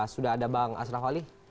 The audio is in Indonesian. sudah ada bang asraf ali